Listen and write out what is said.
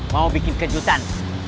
mau bikin kejutan